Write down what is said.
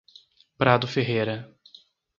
Prado Ferreira